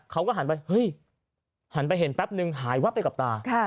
เขาก็หันไปเฮ้ยหันไปเห็นแป๊บนึงหายวับไปกับตา